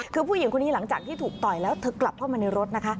คือผู้หญิงคนนี้หลังจากที่ถูกต่อยแล้วเธอกลับเข้ามาในรถนะคะ